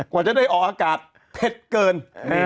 กว่าจะได้ออกอากาศเผ็ดเกิน